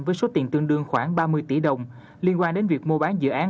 với số tiền tương đương khoảng ba mươi tỷ đồng liên quan đến việc mua bán dự án